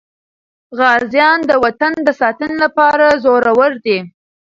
غازیان د وطن د ساتنې لپاره زړور دي.